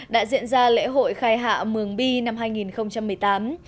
đã diễn ra lễ hội khai hạ mường bi năm hai nghìn một mươi tám